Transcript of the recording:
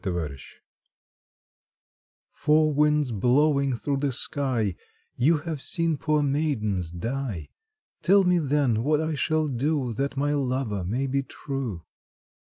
Four Winds "Four winds blowing through the sky, You have seen poor maidens die, Tell me then what I shall do That my lover may be true."